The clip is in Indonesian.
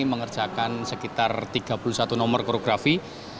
mengerjakan sekitar tiga puluh satu nomor koreografi